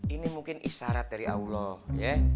ini mungkin isyarat dari allah ya